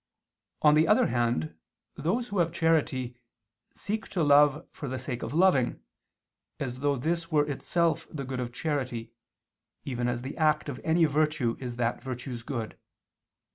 On the other hand, those who have charity seek to love for the sake of loving, as though this were itself the good of charity, even as the act of any virtue is that virtue's good.